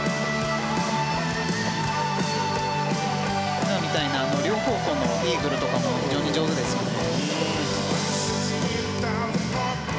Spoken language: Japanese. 今みたいに両方向のイーグルとかも非常に上手ですよね。